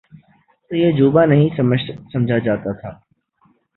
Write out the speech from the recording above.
یہ کوئی عجوبہ نہیں سمجھا جاتا تھا۔